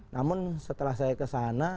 namun setelah saya ke sana